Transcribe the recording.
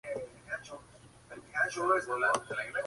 Además, es co-fundadora de Solidaridad escocesa con Kurdistán.